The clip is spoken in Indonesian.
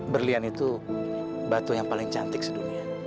berlian itu batu yang paling cantik sedunia